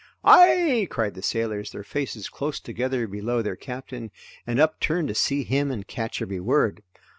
"AYE!" cried the sailors, their faces close together below their captain, and upturned to see him and catch every word.